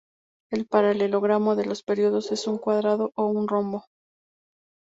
El paralelogramo de los períodos es un cuadrado o un rombo.